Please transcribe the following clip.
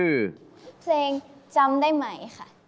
เพลงจำได้ไหมค่ะ